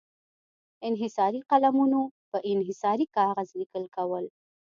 انحصاري قلمونو پر انحصاري کاغذ لیکل کول.